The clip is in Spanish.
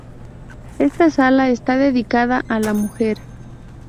Esta sala está dedicada a la mujer.